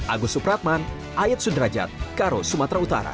agus supratman ayat sudrajat karo sumatera utara